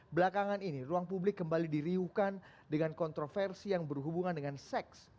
belakangan ini ruang publik kembali diriukan dengan kontroversi yang berhubungan dengan seks